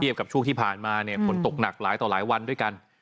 กับช่วงที่ผ่านมาเนี่ยฝนตกหนักหลายต่อหลายวันด้วยกัน